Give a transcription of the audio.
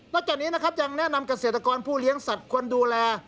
จากนี้นะครับยังแนะนำเกษตรกรผู้เลี้ยงสัตว์ควรดูแล